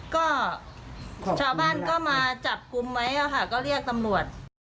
ก็ชาวบ้านก็มาจับกลุ่มไว้ค่ะก็เรียกตำรวจ